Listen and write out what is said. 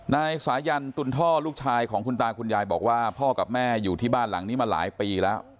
นายสายันตุลท่อลูกชายของคุณตาคุณยายบอกว่าพ่อกับแม่อยู่ที่บ้านหลังนี้มาหลายปีแล้ว